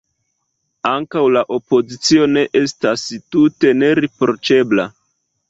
Ankaŭ la opozicio ne estas tute neriproĉebla.